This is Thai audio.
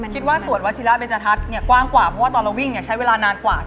คิดว่าสวนวชีสฤทธิตรกว้างกว่าเพราะวันนั้นคิดว่ามันใช้เวลานานกว้า